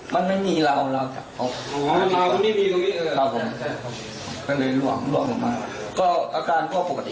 มันไม่มีราวราวจับพบใดไปหล่วงอาการก็ปกติ